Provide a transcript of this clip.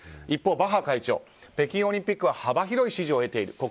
一方、バッハ会長北京オリンピックは幅広い支持を得ている。